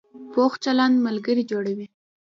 پوخ چلند ملګري جوړوي